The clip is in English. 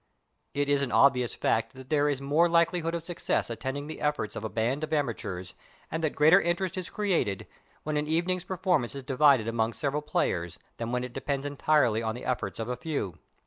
It is an obvious fact that there is more likelihood of success attending the efforts of a band of Amateurs, and that greater interest is created, when an evening's per formance is divided among several players than when it depends entirely on the efforts of a few.